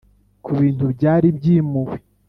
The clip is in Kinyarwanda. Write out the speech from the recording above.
kubintu byari byimuwe,